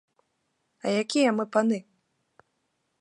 А якія мы паны?